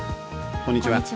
こんにちは。